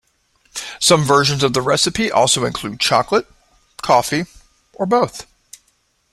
Some versions of the recipe also include chocolate, coffee or both.